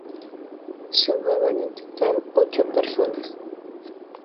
Sumaban, en total, ocho personas.